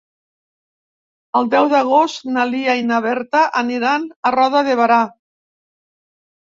El deu d'agost na Lia i na Berta aniran a Roda de Berà.